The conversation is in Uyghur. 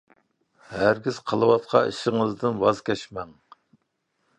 ھەرگىز قىلىۋاتقان ئىشىڭىزدىن ۋاز كەچمەڭ.